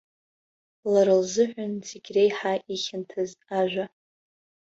Лара лзыҳәан зегь реиҳа ихьанҭаз ажәа!